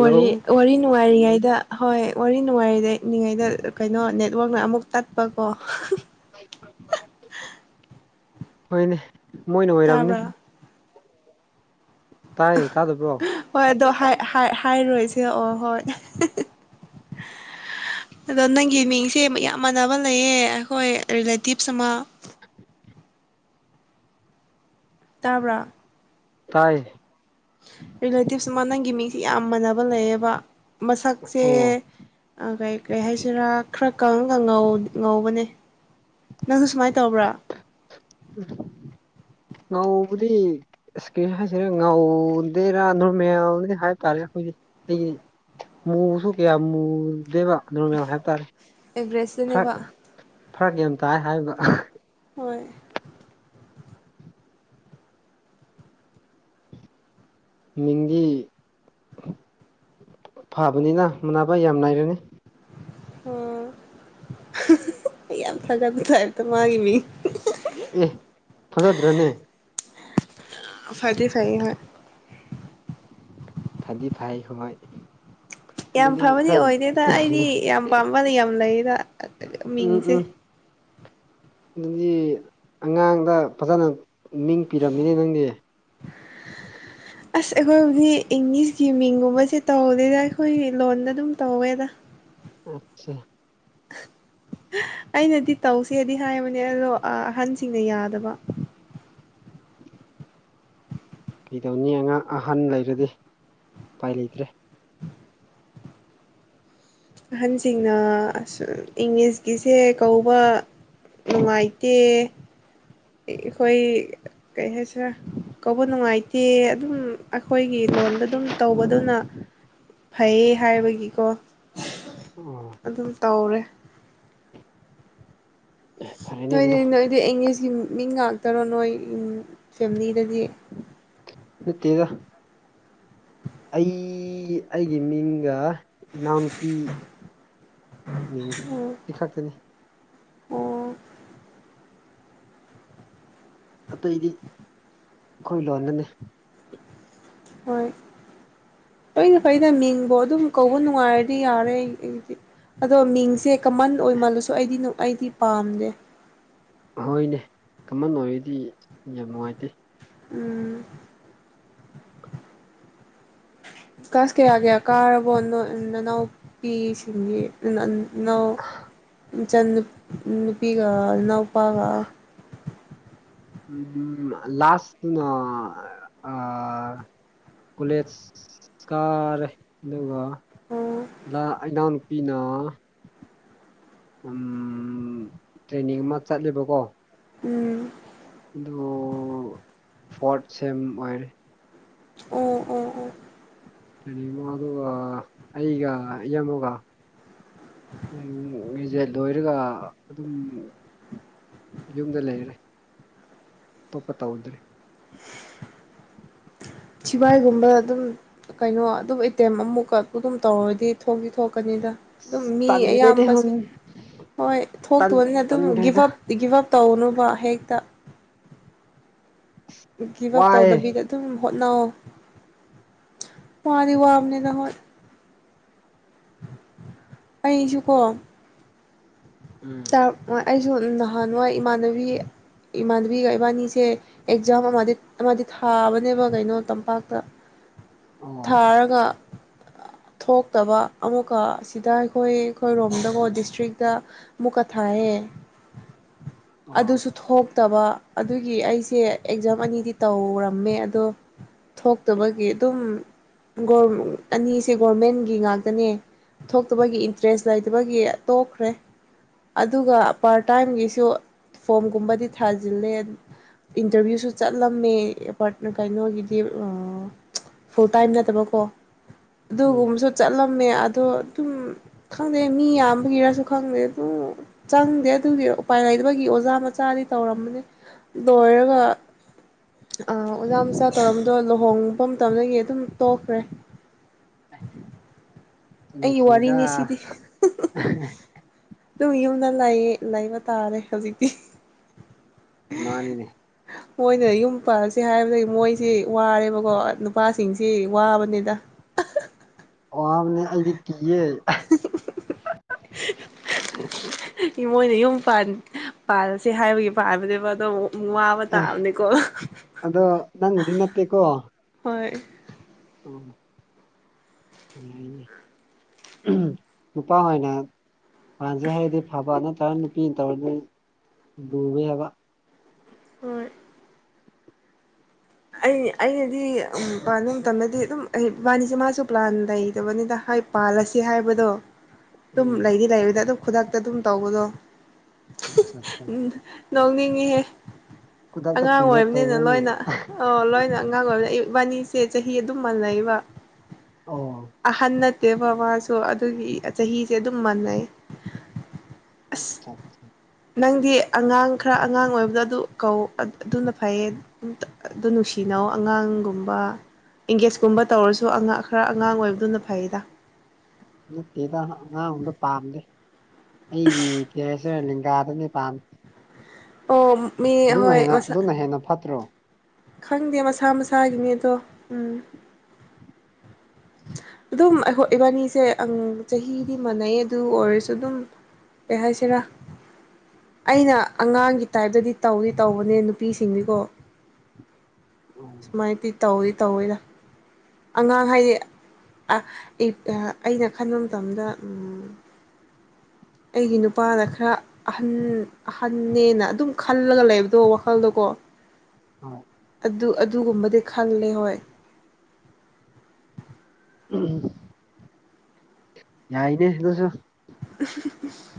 ꯋꯥꯔꯤ ꯋꯥꯔꯤ ꯅꯨꯡꯉꯥꯏꯔꯤꯉꯩꯗ ꯍꯣꯏ ꯋꯥꯔꯤ ꯅꯨꯡꯉꯥꯏꯔꯤꯗ ꯏꯛꯂꯤꯉꯩꯗ ꯀꯩꯅꯣ ꯅꯦꯠꯋꯥꯛꯅ ꯑꯃꯨꯛ ꯇꯠꯄꯀꯣ ꯍꯣꯏꯅꯦ ꯃꯣꯏꯅ ꯑꯣꯏꯔꯝꯅꯤ ꯇꯥꯕ꯭ꯔꯥ ꯇꯥꯏꯌꯦ ꯇꯥꯗꯕ꯭ꯔꯣ ꯍꯣꯏ ꯑꯗꯣ ꯍꯥꯏꯔꯣꯏꯁꯦ ꯑꯣ ꯍꯣꯏ ꯑꯗꯣ ꯅꯪꯒꯤ ꯃꯤꯡꯁꯦ ꯌꯥꯝ ꯃꯥꯟꯅꯕ ꯂꯩꯌꯦ ꯑꯩꯈꯣꯏ ꯔꯤꯂꯦꯇꯤꯞꯁ ꯑꯃ [unintelligible] ꯇꯥꯕ꯭ꯔꯥ ꯇꯥꯏ ꯔꯤꯂꯦꯇꯤꯞꯁ ꯃꯥ ꯅꯪꯒꯤ ꯃꯤꯡꯁꯦ ꯌꯥꯝ ꯃꯥꯟꯅꯕ ꯑꯃ ꯂꯩꯌꯦꯕ ꯃꯁꯛꯁꯦ ꯑꯣ ꯀꯩ ꯀꯩ ꯍꯥꯏꯁꯤꯔꯥ ꯈꯔ ꯀꯪꯉꯒ ꯉꯧꯕꯅꯦ ꯅꯪꯁꯨ ꯁꯨꯃꯥꯏꯅ ꯇꯧꯕ꯭ꯔꯥ ꯅꯣꯡꯕꯨꯗꯤ ꯏꯁꯀ꯭ꯔꯤꯟ ꯍꯥꯏꯁꯤꯔꯥ ꯉꯥꯎꯗꯦꯔꯥ ꯅꯣꯔꯃꯦꯜꯗꯤ ꯍꯥꯏꯕ ꯇꯥꯔꯦ ꯑꯩꯈꯣꯏꯒꯤ ꯑꯩꯒꯤ ꯃꯨꯁꯨ ꯀꯌꯥ ꯃꯨꯗꯦꯕ ꯅꯣꯔꯃꯦꯜ ꯍꯥꯏꯕꯇꯥꯔꯦ ꯑꯦꯒ꯭ꯔꯦꯁ ꯐꯔꯛ ꯐꯔꯛ ꯌꯥꯝ ꯇꯥꯏ ꯍꯥꯏꯕ ꯍꯣꯏ ꯃꯤꯡꯗꯤ ꯐꯕꯅꯤꯅ ꯃꯥꯟꯅꯕ ꯌꯥꯝ ꯅꯥꯏꯔꯅꯤ ꯑꯣ ꯌꯥꯝ ꯊꯥꯖꯕ ꯊꯥꯏꯦꯇ ꯃꯥꯒꯤ ꯃꯤ ꯑꯦ ꯐꯖꯗ꯭ꯔꯅꯦ ꯐꯗꯤ ꯐꯩꯌꯦ ꯍꯣꯏ ꯐꯥꯗꯤ ꯐꯩ ꯍꯣꯏ ꯌꯥꯝ ꯑꯗꯨꯗꯤ ꯐꯕꯗꯤ ꯈꯔ ꯑꯣꯏꯗꯦꯗ ꯑꯩꯗꯤ ꯌꯥꯝ ꯄꯥꯝꯕꯅ ꯌꯥꯝ ꯂꯩꯗ ꯎꯝ ꯃꯤꯡꯁꯦ ꯎꯝ ꯑꯗꯨꯗꯤ ꯑꯉꯥꯡꯗ ꯐꯖꯅ ꯃꯤꯡ ꯄꯤꯔꯝꯅꯤꯅꯦ ꯅꯪꯗꯤ [unintelligible] ꯑꯁ ꯑꯩꯈꯣꯏꯕꯨꯗꯤ ꯏꯪꯂꯤꯁꯀꯤ ꯃꯤꯡꯒꯨꯝꯕꯁꯦ ꯇꯧꯗꯦꯗ ꯑꯩꯈꯣꯏ ꯂꯣꯟꯗ ꯑꯗꯨꯝ ꯇꯧꯋꯦꯗ ꯑꯣꯀꯦ ꯑꯩꯅꯗꯤ ꯇꯧꯁꯦꯗꯤ ꯍꯥꯏꯕꯅꯦ ꯑꯗꯣ ꯑꯍꯟꯁꯤꯡꯅ ꯌꯥꯗꯕ [inaudible] ꯀꯩꯗꯧꯅꯤ ꯑꯉꯥꯡ ꯑꯍꯟ ꯂꯩꯔꯗꯤ ꯎꯄꯥꯏ ꯂꯩꯇ꯭ꯔꯦ ꯑꯍꯟꯁꯤꯡꯅ ꯑ ꯏꯪꯂꯤꯁꯀꯤꯁꯦ ꯀꯧꯕ ꯅꯨꯡꯉꯥꯏꯇꯦ ꯑꯩꯈꫭꯏ ꯀꯩ ꯍꯥꯏꯁꯦ ꯀꯧꯕ ꯅꯨꯡꯉꯥꯏꯇꯦ ꯑꯗꯨꯝ ꯑꯩꯈꯣꯏꯒꯤ ꯂꯣꯟꯗ ꯑꯗꯨꯝ ꯇꯧꯕꯗꯨꯅ ꯐꯩꯌꯦ ꯍꯥꯏꯕꯒꯤꯀꯣ ꯎꯝ ꯑꯗꯨꯝ ꯇꯧꯔꯦ ꯐꯔꯦꯅꯦ ꯅꯣꯏꯗꯤ ꯑꯗꯨꯗꯣ ꯅꯣꯏꯗꯤ ꯏꯡꯂꯤꯁꯀꯤ ꯃꯤ ꯉꯥꯛꯇꯔꯣ ꯅꯣꯏ ꯐꯦꯃꯤꯂꯤꯗꯗꯤ ꯅꯠꯇꯦ ꯗ ꯑꯩ ꯑꯩꯒꯤ ꯃꯤꯡꯒ ꯏꯅꯥꯎꯅꯨꯄꯤ ꯃꯤꯡ ꯑꯣ ꯏꯊꯛꯇꯅꯦ ꯑꯣ ꯑꯇꯩꯗꯤ ꯑꯩꯈꯣꯏ ꯂꯣꯟꯗꯅꯦ ꯍꯣꯏ ꯂꫭꯏꯅ ꯐꯩꯗ ꯃꯤꯡꯕꯨ ꯑꯗꯨꯝ ꯀꯧꯕ ꯅꯨꯡꯉꯥꯏꯔꯗꯤ ꯌꯥꯔꯦ ꯑꯗꯣ ꯃꯤꯡꯁꯦ ꯀꯃꯟ ꯑꯣꯏꯃꯜꯂꯁꯨ ꯑꯩꯗꯤ ꯑꯩꯗꯤ ꯄꯥꯝꯗꯦ ꯍꫭꯏꯅꯦ ꯀꯃꯟ ꯑꯣꯏꯔꯗꯤ ꯌꯥꯝ ꯅꯨꯡꯉꯥꯏꯇꯦ ꯎꯝ ꯀꯥꯁ ꯀꯌꯥ ꯀꯌꯥ ꯀꯥꯔꯕꯣ ꯅꯅꯥꯎꯄꯤꯁꯤꯡꯗꯤ ꯅꫭ ꯏꯆꯟ ꯅꯨꯄꯤꯒ ꯅꯥꯎꯄꯥꯒꯥ ꯂꯥꯁꯅ ꯑꯥ ꯀꯣꯂꯦꯖ ꯀꯔꯦ ꯑꯗꯨꯒ ꯑꯣ ꯏꯅꯥꯎ ꯅꯨꯄꯤꯅ ꯎꯝ ꯇ꯭ꯔꯦꯟꯅꯤꯡ ꯑꯃ ꯆꯠꯂꯤꯕꯀꯣ ꯎꯝ ꯑꯗꯨ ꯐꯣꯔꯠ ꯁꯦꯝ ꯑꯣꯏꯔꯦ ꯑꯣ ꯑꯣ ꯑꯣ [unintelligible] ꯑꯩꯒ ꯏꯌꯝꯕꯒꯥ ꯕꯤꯖꯦꯠ ꯂꯣꯏꯔꯒ ꯑꯗꯨꯝ ꯌꯨꯝꯗ ꯂꯩꯔꯦ ꯑꯇꯣꯞꯄ ꯇꯧꯗ꯭ꯔꯦ ꯁꯤꯚꯏꯒꯨꯝꯕ ꯑꯗꯨꯝ ꯀꯩꯅꯣ ꯑꯗꯨꯝ ꯑꯇꯦꯝ ꯑꯃꯨꯛꯀ ꯑꯗꯨꯝ ꯇꯧꯔꯗꯤ ꯊꯣꯛꯇꯤ ꯊꯣꯛꯀꯅꯤꯗ ꯑꯗꯨꯝ ꯃꯤ ꯇꯜꯂꯦꯗ ꯍꯧ ꯑꯌꯥꯝꯕꯁꯦ ꯍꯣꯏ ꯇꯟ ꯊꯣꯛꯇꯕꯅꯤꯅ ꯑꯗꯨꯝ ꯒꯤꯐ ꯇꯟꯈ꯭ꯔꯦꯗ ꯑꯞ ꯒꯤꯞ ꯑꯞ ꯇꯧꯅꯨꯕ ꯍꯦꯛꯇ ꯒꯤꯞ ꯑꯞ ꯋꯥꯏꯑꯦ ꯇꯧꯗꯕꯤꯗ ꯑꯗꯨꯝ ꯍꯣꯠꯅꯑꯣ ꯋꯥꯗꯤ ꯋꯥꯕꯅꯤꯗ ꯍꯣꯏ ꯑꯩꯁꯨꯀꯣ ꯎꯝ ꯑꯩꯁꯨ ꯅꯍꯥꯟꯋꯥꯏ ꯏꯃꯥꯟꯅꯕꯤ ꯏꯃꯥꯟꯅꯕꯤꯒ ꯏꯕꯥꯅꯤꯁꯦ ꯑꯦꯛꯖꯥꯝ ꯑꯃꯗꯤ ꯑꯃꯗꯤ ꯊꯥꯕꯅꯦꯕ ꯀꯩꯅꯣ ꯇꯝꯄꯥꯛꯇ ꯑꯣ ꯊꯥꯔꯒ ꯊꯣꯛꯇꯕ ꯑꯃꯨꯛꯀ ꯑꯁꯤꯗ ꯑꯩꯈꯣꯏ ꯑꯩꯈꯣꯏꯔꯣꯝꯗꯀꯣ ꯗꯤꯁꯇ꯭ꯔꯤꯛꯇ ꯃꯨꯛꯀ ꯊꯥꯏꯌꯦ ꯑꯣ ꯑꯗꯨꯁꯨ ꯊꯣꯛꯇꯕ ꯑꯗꯨꯒꯤ ꯑꯩꯁꯦ ꯑꯦꯛꯖꯥꯝ ꯑꯅꯤꯗꯤ ꯇꯧꯔꯝꯃꯦ ꯑꯗꯣ ꯊꯣꯛꯇꯕꯒꯤ ꯑꯗꯨꯝꯒ ꯒꯣꯝ ꯑꯅꯤꯁꯦ ꯒꯣꯔꯃꯦꯟꯒꯤ ꯉꯥꯛꯇꯅꯦ ꯊꯣꯛꯇꯕꯒꯤ ꯏꯟꯇꯔꯦꯁ ꯂꯩꯇꯕꯒꯤ ꯇꯣꯛꯈ꯭ꯔꯦ ꯑꯗꯨꯒ ꯄꯥꯔꯠ ꯇꯥꯏꯝꯒꯤꯁꯨ ꯐꯣꯝꯒꯨꯝꯕꯗꯤ ꯊꯥꯖꯤꯜꯂꯦ ꯏꯟꯇꯔꯚ꯭ꯌꯨꯁꯨ ꯆꯠꯂꯝꯃꯦ ꯀꯩꯅꯣꯒꯤꯗꯤ ꯐꯨ ꯇꯥꯏꯝ ꯅꯠꯇꯕꯀꯣ ꯎꯝ ꯑꯗꯨꯒꯨꯝꯕꯁꯨ ꯆꯠꯂꯝꯃꯦ ꯑꯗꯣ ꯑꯗꯨꯝ ꯈꯪꯗꯦ ꯃꯤ ꯌꯥꯝꯕꯒꯤꯔꯁꯨ ꯈꯪꯗꯦ ꯎꯝ ꯆꯪꯗꯦ ꯑꯗꯨꯗꯤ ꯎꯄꯥꯏ ꯂꯩꯕꯒꯤ ꯑꯣꯖꯥ ꯃꯆꯥꯗꯤ ꯇꯧꯔꯝꯕꯅꯤ ꯂꯣꯏꯔꯒ ꯑꯣꯖꯥ ꯃꯁꯥ ꯇꯧꯔꯝꯕꯗꯣ ꯂꯨꯍꯣꯡꯕ ꯃꯇꯝꯗꯒꯤ ꯑꯗꯨꯝ ꯇꯣꯛꯈ꯭ꯔꯦ ꯑꯩꯒꯤ ꯅꯨꯡꯁꯤꯗ ꯋꯥꯔꯤꯅꯤ ꯑꯗꯨꯨꯝ ꯌꯨꯝꯗ ꯂꯩꯌꯦ ꯂꯩꯕ ꯇꯥꯔꯦ ꯍꯧꯖꯤꯛꯇꯤ ꯑ ꯃꯥꯅꯤꯅꯦ ꯃꯣꯏꯅ ꯌꯨꯝ ꯄꯜꯂꯁꯦ ꯍꯥꯏꯕꯗꯒꯤ ꯃꯣꯏꯁꯤ ꯋꯥꯔꯦꯕꯀꯣ ꯅꯨꯄꯥꯁꯤꯡꯁꯤ ꯋꯥꯕꯅꯤꯗ ꯋꯥꯕꯅꯦ ꯑꯩꯗꯤ ꯀꯤꯌꯦ [unintelligible] ꯏꯃꯣꯏꯅ ꯌꯨꯝ ꯄꯥꯜꯂꯁꯦ ꯍꯥꯏꯕꯒꯤ ꯄꯥꯕꯅꯦꯕ ꯑꯗꯣ ꯑꯃꯨꯛ ꯋꯥꯕꯥ ꯑꯦ ꯇꯥꯕꯅꯦꯀꯣ ꯑꯗꯣ ꯅꯪꯗꯤ ꯅꯠꯇꯦꯀꯣ ꯍꯣꯏ ꯑꯣ ꯀꯩ ꯍꯥꯏꯅꯦ ꯅꯨꯄꯥ ꯑꯣꯏꯅ ꯄꯥꯟꯁꯦ ꯍꯥꯏꯔꯗꯤ ꯐꯕ ꯅꯠꯇ꯭ꯔꯒ ꯅꯨꯄꯤꯅ ꯇꯧꯔꯗꯤ ꯂꯨꯕꯦ ꯍꯥꯏꯕ ꯍꯣꯏ ꯑꯩ ꯑꯩꯅꯗꯤ ꯎꯝ ꯄ꯭ꯂꯥꯅꯤꯡ ꯃꯇꯝꯗꯗꯤ ꯑꯗꯨꯝ ꯑꯩ ꯏꯕꯥꯅꯤꯁꯦ ꯃꯥꯁꯨ ꯄ꯭ꯂꯥꯟ ꯂꯩꯇꯕꯅꯤꯅ ꯍꯥꯏ ꯄꯥꯜꯂꯁꯤ ꯍꯥꯏꯕꯗꯣ ꯑꯗꯨꯝ ꯎꯝ ꯂꯩꯗꯤ ꯂꯩꯕꯗ ꯑꯗꯨꯝ ꯈꯨꯗꯛꯇ ꯑꯗꯨꯝ ꯇꯧꯕꯗꯣ ꯑꯆꯥ ꯎꯝ ꯅꯣꯛꯅꯤꯡꯉꯤꯍꯦ ꯈꯨꯗꯛꯇ ꯑꯉꯥꯡ ꯀꯤꯅꯦꯞ ꯑꯣꯏꯝꯅꯤꯅ ꯇꯧꯕ꯭ꯔꯅꯦ ꯂꯣꯏꯅ ꯑꯣ ꯂꯣꯏꯅ ꯑꯉꯥꯡ ꯑꯣꯏꯔꯤꯅ ꯑꯌꯨꯛꯕꯥꯅꯤꯁꯦ ꯆꯍꯤ ꯑꯗꯨꯝ ꯃꯜꯅꯩꯕ ꯑꯣ ꯑꯍꯟ ꯅꯠꯇꯦꯕ ꯃꯥꯁꯨ ꯑꯗꯨꯒꯤ ꯆꯍꯤꯁꯦ ꯑꯗꯨꯝ ꯃꯥꯟꯅꯩ ꯑ ꯑꯁ [unintelligible] ꯅꯪꯗꯤ ꯑꯉꯥꯡ ꯈꯔ ꯑꯉꯥꯡ ꯑꯣꯏꯕꯗꯣ ꯑꯗꯨ ꯀꯧ ꯑꯗꯨꯅ ꯐꯩꯌꯦ ꯑꯗꯨ ꯅꯨꯡꯁꯤꯅꯧ ꯑꯉꯥꯡꯒꯨꯝꯕ ꯑꯦꯡꯒꯦꯖꯀꯨꯝꯕ ꯇꯧꯔꯁꯨ ꯑꯉꯥꯡ ꯈꯔ ꯑꯉꯥꯡ ꯑꯣꯏꯕꯗꯨꯅ ꯐꯩꯗ ꯅꯠꯇꯦꯗ ꯑꯉꯥꯡꯗ ꯄꯥꯝꯗꯦ ꯑꯩꯒꯤ ꯀꯦꯔꯤꯁꯔ ꯂꯦꯡꯒꯥꯗꯅꯦ ꯄꯥꯝꯗ ꯑꯣ ꯃꯤ ꯍꯣꯏ ꯍꯦꯟꯅ ꯃꯁꯥ ꯑꯗꯨꯅ ꯍꯦꯟꯅ ꯐꯠꯇ꯭ꯔꯣ ꯈꯪꯗꯦ ꯃꯁꯥ ꯃꯁꯥꯒꯤꯅꯦ ꯑꯗꯣ ꯎꯝ ꯑꯗꯨꯝ ꯑꯩꯈꯣꯏ ꯏꯕꯥꯟꯅꯤꯁꯦ ꯆꯍꯤꯗꯤ ꯃꯥꯟꯅꯩ ꯑꯗꯨ ꯑꯣꯏꯔꯁꯨ ꯑꯗꯨꯝ ꯀꯩ ꯍꯥꯏꯁꯤꯔ ꯑꯩꯅ ꯑꯉꯥꯡꯒꯤ ꯇꯥꯏꯞꯇꯗꯤ ꯇꯧꯏ ꯇꯧꯕꯅꯦ ꯅꯨꯄꯤꯁꯤꯡꯗꯤꯀꯣ ꯁꯨꯃꯥꯏꯅꯄꯤ ꯇꯧꯋꯤ ꯇꯧꯋꯤꯗ ꯑꯉꯥꯡ ꯍꯥꯏꯗꯤ ꯑꯩꯅ ꯈꯟꯕ ꯃꯇꯝꯗ ꯑꯩꯒꯤ ꯅꯨꯄꯥꯅ ꯈꯔ ꯑꯍꯟ ꯑꯍꯟꯅꯦꯅ ꯑꯗꯨꯝ ꯈꯜꯂꯒ ꯂꯩꯕꯗꯣ ꯋꯥꯈꯜꯗꯣꯀꯣ ꯑ ꯑꯗꯨ ꯑꯗꯨꯒꯨꯝꯕꯗꯤ ꯈꯂꯦ ꯍꯣꯏ ꯎꯝ ꯌꯥꯏꯅꯦ ꯅꯁꯨ ꯎ ꯎ ꯎ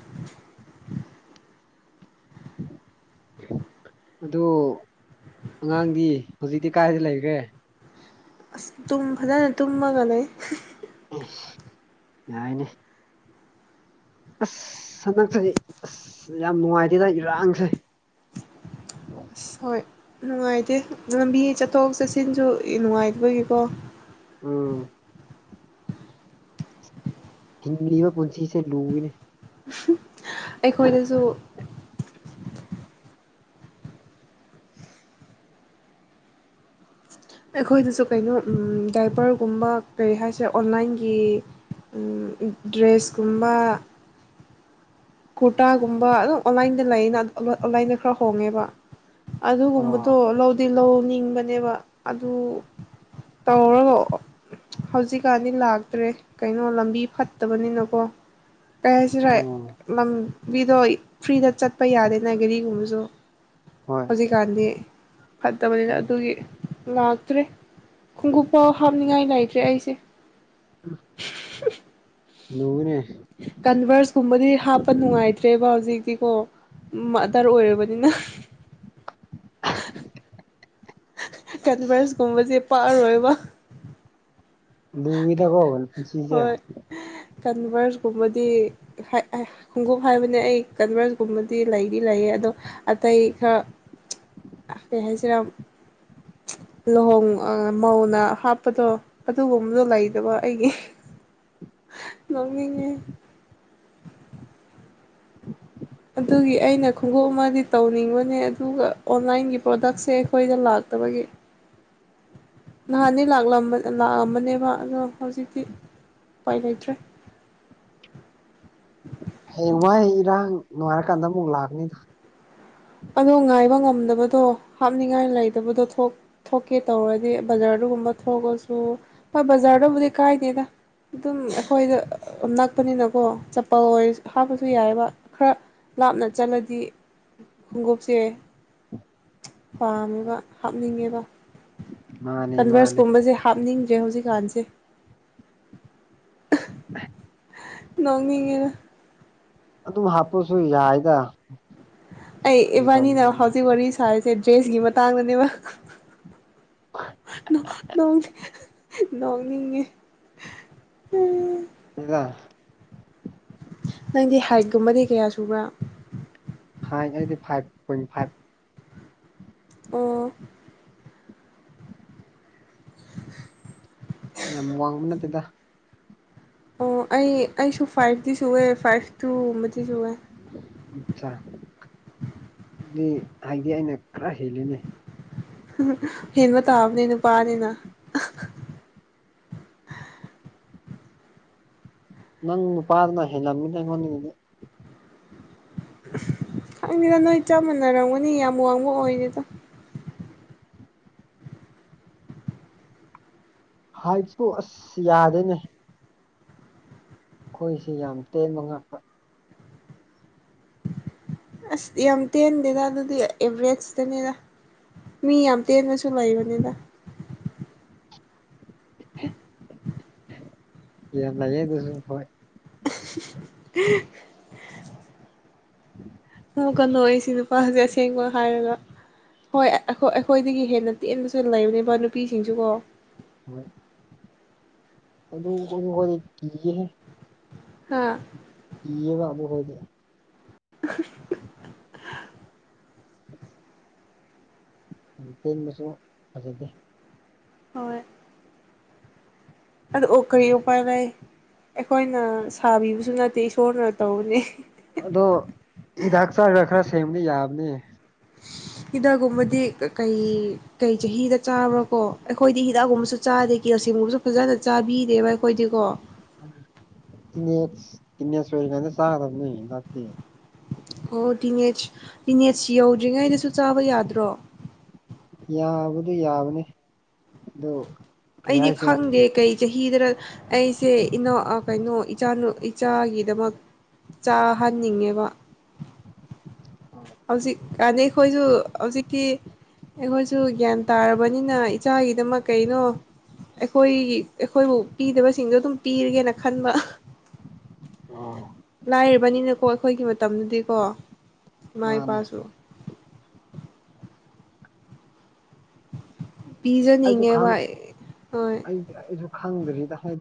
ꯑꯗꯨ ꯑꯉꯥꯡꯗꯤ ꯍꯧꯖꯤꯛꯇꯤ ꯀꯥꯏꯗ ꯂꯩꯒꯔꯦ ꯑꯁ ꯇꯨꯝ ꯐꯖꯅ ꯇꯨꯝꯃꯒ ꯂꯩ ꯌꯥꯏꯅꯦ ꯑꯁ ꯁꯟꯗꯛꯁꯦ ꯌꯥꯝ ꯅꯨꯉꯥꯏꯇꯦꯗ ꯏꯔꯥꯡꯁꯦ ꯑꯁ ꯍꯣꯏ ꯅꯨꯡꯉꯥꯏꯇꯦ ꯂꯝꯕꯤ ꯆꯠꯊꯣꯛ ꯆꯠꯁꯤꯟꯁꯨ ꯅꯨꯡꯉꯥꯏꯗꯣꯏꯒꯤꯀꯣ ꯎꯝ ꯍꯤꯡꯂꯤꯤꯕ ꯄꯨꯟꯁꯤꯁꯦ ꯂꯨꯏꯅꯦ ꯑꯩꯈꯣꯏꯗꯁꯨ ꯑꯩꯈꯣꯏꯗꯁꯨ ꯀꯩꯅꯣ ꯗꯥꯏꯕꯔꯒꯨꯝꯕ ꯀꯔꯤ ꯍꯥꯏꯁꯦ ꯑꯣꯟꯂꯥꯏꯟꯒꯤ ꯗ꯭ꯔꯦꯁ ꯀꯨꯝꯕ ꯀꯨꯔꯇꯥꯒꯨꯝꯕ ꯑꯗꯨꯝ ꯑꯣꯟꯂꯥꯏꯟꯗ ꯂꯩꯌꯦꯅ ꯑꯣꯟꯂꯥꯏꯟꯗ ꯈꯔ ꯍꯣꯡꯉꯦꯕ ꯑꯣ ꯑꯗꯨꯒꯨꯝꯕꯗꯣ ꯂꯧꯗꯤ ꯂꯧꯅꯤꯡꯕꯅꯦꯕ ꯑꯗꯨ ꯇꯧꯔꯒꯥ ꯍꯧꯖꯤꯛꯀꯥꯟꯗꯤ ꯂꯥꯛꯇ꯭ꯔꯦ ꯀꯩꯅꯣ ꯂꯝꯕꯤ ꯐꯠꯇꯕꯅꯤꯅꯀꯣ ꯀꯩ ꯍꯥꯏꯁꯤꯔ ꯑꯣ [unintelligible] ꯕꯤꯗꯣ ꯐ꯭ꯔꯤꯗ ꯆꯠꯄ ꯌꯥꯗꯦ [inaudible] ꯍꯣꯏ ꯍꯧꯖꯤꯛꯀꯥꯟꯗꯤ ꯐꯠꯇꯕꯅꯤꯅ ꯎꯝ ꯑꯗꯨꯒꯤ ꯂꯥꯛꯇ꯭ꯔꯦ ꯈꯣꯡꯎꯞ ꯄꯥꯎ ꯍꯥꯞꯅꯤꯡꯉꯥꯏ ꯂꯩꯇ꯭ꯔꯦ ꯑꯩꯁꯦ [inaudible] ꯅꯨꯅ ꯀꯟꯚꯔꯁꯀꯨꯝꯕꯗꯤ ꯍꯥꯞꯄ ꯅꯨꯡꯉꯥꯏꯇ꯭ꯔꯦꯕ ꯍꯧꯖꯤꯛꯇꯤꯀꯣ ꯑꯗꯔ ꯑꯣꯏꯔꯕꯅꯤꯅ ꯑꯁ ꯀꯟꯚꯔꯁꯒꯨꯝꯕꯁꯦ ꯄꯛꯑꯔꯣꯏꯕ ꯂꯏꯗ ꯀꯣꯣ ꯄꯨꯁꯤꯁꯦ ꯀꯟꯚꯔꯁꯒꯨꯝꯕꯗꯤ ꯈꯣꯡꯎꯞ ꯍꯥꯏꯕꯅꯦ ꯑꯩ ꯀꯟꯚꯔꯁ ꯀꯨꯝꯕꯗꯤ ꯂꯩꯗꯤ ꯂꯩꯌꯦ ꯑꯗꯣ ꯑꯇꯩ ꯏ ꯈ ꯀ ꯍꯥꯏꯁꯤꯔ ꯂꯨꯍꯣꯡ ꯑ ꯃꯧꯅ ꯍꯥꯞꯄꯗꯣ ꯑꯗꯨꯒꯨꯝꯕꯗꯣ ꯂꯩꯗꯕ ꯑꯩꯒꯤ ꯅꯣꯛꯅꯤꯡꯉꯦ [inaudible] ꯑꯗꯨꯒꯤ ꯑꯩꯅ ꯈꯣꯡꯎꯞ ꯑꯃꯗꯤ ꯇꯧꯅꯤꯡꯕꯅꯦ ꯑꯗꯨꯒ ꯑꯣꯟꯂꯥꯏꯟꯒꯤ ꯄ꯭ꯔꯗꯛꯁꯦ ꯑꯩꯈꯣꯏꯗ ꯂꯥꯛꯇꯕꯒꯤ [inaudible] ꯅꯍꯥꯟꯗꯤ ꯂꯥꯛꯂꯝ ꯂꯥꯛꯑꯝꯕꯅꯦꯕ ꯑꯗꯣ ꯍꯧꯖꯤꯛꯇꯤ ꯎꯄꯥꯏ ꯂꯩꯇ꯭ꯔꯦ ꯍꯌꯦꯡꯋꯥꯏ ꯏꯔꯥꯡ ꯅꯨꯡꯉꯥꯏꯔꯀꯥꯟꯗ ꯑꯃꯨꯛ ꯂꯥꯛꯀꯅꯤꯗ ꯑꯗꯣ ꯉꯥꯏꯕ ꯉꯝꯗꯕꯗꯣ ꯍꯥꯞꯅꯤꯡꯉꯥꯏ ꯂꯩꯇꯕꯗꯣ ꯊꯣꯛ ꯊꯣꯛꯀꯦ ꯇꯧꯔꯗꯤ ꯕꯖꯥꯔꯗꯨꯒꯨꯝꯕ ꯊꯣꯛꯑꯁꯨ ꯍꯣꯏ ꯕꯖꯥꯔꯗꯕꯨꯗꯤ ꯀꯥꯏꯗꯦꯗ ꯑꯗꯨꯝ ꯑꯩꯈꯣꯏꯗ ꯅꯛꯄꯅꯤꯅꯀꯣ ꯆꯄꯜ ꯑꯣꯏ ꯍꯥꯞꯄꯁꯨ ꯌꯥꯏꯕ ꯈꯔ ꯂꯥꯞꯅ ꯆꯠꯂꯗꯤ ꯈꯣꯡꯒꯨꯞꯁꯦ ꯄꯥꯝꯃꯦꯒ ꯍꯥꯞꯅꯤꯡꯉꯦꯕ ꯃꯥꯅꯦ ꯃꯥꯅꯦ ꯀꯟꯚꯔꯁꯀꯨꯝꯕꯁꯦ ꯍꯥꯞꯅꯤꯡꯗ꯭ꯔꯦ ꯍꯧꯖꯤꯛꯀꯥꯟꯁꯦ ꯍ [unintelligible] ꯅꯣꯡꯃꯤꯅ ꯑꯗꯨꯝ ꯍꯥꯞꯄꯁꯨ ꯌꯥꯏꯗ ꯑꯩ ꯒꯤ ꯏꯕꯥꯟꯅꯤꯅ ꯇꯧꯕꯅꯤꯗ ꯍꯧꯖꯤꯛ ꯋꯥꯔꯤ ꯁꯥꯔꯤꯁꯦ ꯗ꯭ꯔꯦꯁꯀꯤ ꯃꯇꯥꯡꯗꯅꯦꯕ ꯅꯣꯡ ꯅꯅꯤꯉ ꯍꯦꯔꯥ ꯅꯪꯗꯤ ꯍꯥꯏꯠꯀꯨꯝꯕꯗꯤ ꯀꯌꯥ ꯁꯨꯕ꯭ꯔꯥ ꯍꯥꯏꯥꯏ ꯑꯩꯗꯤ ꯐꯥꯏꯚ ꯄꯣꯏꯟ ꯐꯥꯏꯚ ꯑꯣ ꯌꯥꯝ ꯋꯥꯡꯕ ꯅꯠꯇꯦꯗ ꯑꯣ ꯑꯩ ꯑꯩꯁꯨ ꯐꯥꯏꯚꯇꯤ ꯁꯨꯋꯦ ꯐꯥꯏꯚ ꯇꯨꯒꯨꯝꯕꯗꯤ ꯁꯨꯋꯦ ꯑ ꯑꯗꯨꯗꯤ ꯍꯥꯏꯗꯤ ꯑꯩꯅ ꯈꯔ ꯍꯦꯜꯂꯤꯅꯦ ꯎ ꯍꯦꯟꯕ ꯇꯥꯕꯅꯦ ꯅꯨꯄꯥꯅꯤꯅ ꯅꯪ ꯅꯨ ꯄꯔꯅ ꯍ ꯅꯃꯤꯣꯟꯅꯤꯡꯦ ꯈꯪꯉꯦꯗ ꯅꯣꯏ ꯆꯞ ꯃꯥꯟꯅꯔꯝꯒꯅꯤ ꯌꯥꯝ ꯋꯥꯡꯕ ꯑꯣꯏꯗꯦꯗ ꯍꯥꯏꯁꯨ ꯑꯁ ꯌꯥꯗꯦꯅꯦ ꯑꯩꯈꯣꯏꯁꯤ ꯌꯥꯝ ꯇꯦꯟꯕ ꯉꯥꯛꯇ ꯑꯁ ꯌꯥꯝ ꯇꯦꯟꯗꯦꯗ ꯑꯗꯨꯗꯤ ꯑꯦꯕꯔꯦꯖꯇꯅꯤꯗ ꯃꯤ ꯌꯥꯝ ꯇꯦꯟꯕꯁꯨ ꯂꯩꯕꯅꯤꯗ [inaudible] ꯌꯥꯝ ꯂꯩꯌꯦ ꯗꯨꯁꯨ ꯍꯣꯏ [unintelligible] [unintelligible] [inaudible] ꯑꯩꯁꯤ ꯅꯨꯄꯥꯁꯦ ꯑꯁꯦꯡꯕ ꯍꯥꯏꯔꯒ ꯍꯣꯏ ꯑꯩꯈꯣꯏ ꯑꯩꯈꯣꯏꯗꯒꯤ ꯍꯦꯟꯅ ꯇꯦꯟꯕꯁꯨ ꯂꯩꯕꯅꯦꯕ ꯅꯨꯄꯤꯁꯤꯡꯁꯨꯀꯣ ꯍꯣꯏ ꯑꯗꯨ ꯍ ꯍꯣꯏ ꯀꯤꯒꯦ ꯍꯥꯥ ꯀꯤꯌꯦꯕ ꯑꯗꯨ ꯈꯣꯏꯗꯤ [inaudible] ꯌꯥꯝ ꯇꯦꯟꯕꯁꯨ ꯐꯖꯗꯦ ꯍꯣꯏ ꯑꯗꯨ ꯑꯣ ꯀꯔꯤ ꯎꯄꯥꯏ ꯂꯩ ꯑꯩꯈꯣꯏꯅ ꯁꯥꯕꯤꯕꯁꯨ ꯅꯠꯇꯦ ꯏꯁꯣꯔꯅ ꯇꯧꯕꯅꯤ ꯑꯗꯣ ꯍꯤꯗꯥꯛ ꯆꯥꯔꯒ ꯈꯔ ꯁꯦꯝꯕ ꯌꯥꯕꯅꯤ ꯍꯤꯗꯥꯛꯀꯨꯝꯕꯗꯤ ꯀꯩ ꯀꯩ ꯆꯍꯤꯗ ꯆꯥꯕ꯭ꯔꯥ ꯀꯣ ꯑꯩꯈꯣꯏꯗꯤ ꯍꯤꯗꯥꯛꯒꯨꯝꯕꯁꯨ ꯆꯥꯗꯦ ꯀꯦꯜꯁꯦꯝꯒꯨꯝꯕꯁꯨ ꯐꯖꯅ ꯆꯥꯕꯤꯗꯦꯕ ꯑꯩꯈꯣꯏꯗꯤ ꯀꯣ ꯀ [unintelligible] ꯁꯋꯦꯔ ꯀ ꯆ ꯇ ꯂꯇ ꯑꯣ ꯇꯤꯅꯦꯠꯁ ꯇꯤꯅꯦꯠꯁ ꯌꯧꯗ꯭ꯔꯤꯉꯩꯗꯁꯨ ꯆꯥꯕ ꯌꯥꯗ꯭ꯔꯣ ꯌꯥꯕꯨꯗꯤ ꯌꯥꯕꯅꯤ ꯑꯗꯨ ꯀꯔꯤ ꯑꯩꯗꯤ ꯍꯥꯏꯁꯤꯔ ꯈꯪꯗꯦ ꯀꯩ ꯆꯍꯤꯗꯔ ꯑꯩꯁꯦ ꯏꯅꯥꯎ ꯑ ꯀꯩꯅꯣ ꯏꯆꯥꯅꯨ ꯏꯆꯥꯒꯤꯗꯃꯛ ꯆꯥꯍꯟꯅꯤꯡꯉꯦꯕ ꯍꯧꯖꯤꯛꯀꯥꯟꯅꯤ ꯑꯩꯈꯣꯏꯁꯨ ꯍꯧꯖꯤꯛꯇꯤ ꯑꯩꯈꯣꯏꯁꯨ ꯒ꯭ꯌꯥꯟ ꯇꯥꯔꯕꯅꯤꯅ ꯏꯆꯥꯒꯤꯗꯃꯛ ꯀꯩꯅꯣ ꯑꯩꯈꯣꯏꯒꯤ ꯑꯩꯈꯣꯏꯕꯨ ꯄꯤꯗꯕꯁꯤꯡꯗꯣ ꯑꯗꯨꯝ ꯄꯤꯔꯒꯦꯅ ꯈꯟꯕ ꯑ ꯂꯥꯏꯔꯕꯅꯤꯅꯀꯣ ꯑꯩꯈꯣꯏꯒꯤ ꯃꯇꯝꯗꯨꯗꯤꯀꯣ ꯏꯃꯥ ꯃꯥꯅꯦ ꯏꯄꯥꯁꯨ ꯑꯩꯖꯨ ꯄꯤꯖꯅꯤꯡꯉꯦꯕ ꯈꯪ ꯍꯣꯏ ꯑꯩ ꯑꯩꯖꯨ ꯈꯪꯗ꯭ꯔꯤꯗ ꯍꯥꯏ